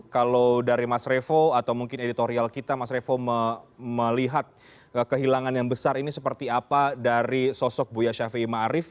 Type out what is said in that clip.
kalau dari mas revo atau mungkin editorial kita mas revo melihat kehilangan yang besar ini seperti apa dari sosok buya syafi'i ma'arif